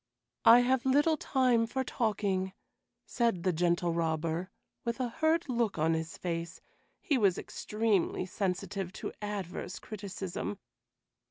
"I have little time for talking," said the Gentle Robber, with a hurt look on his face; he was extremely sensitive to adverse criticism.